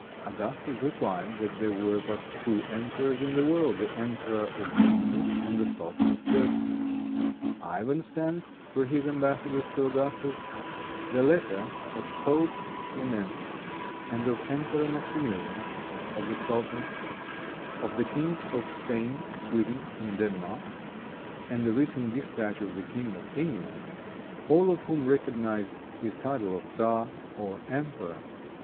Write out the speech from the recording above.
Augustus replied, that there were but two emperors in the world, the Emperor of Germany and the Sultan of Turkey. Ivan sent, through his embassadors, to Augustus; the letters of Pope Clement, of the Emperor Maximilian, of the Sultan, of the Kings of Spain, Sweden and Denmark, and the recent dispatch of the King of England, all of whom recognized his title of tzar, or emperor.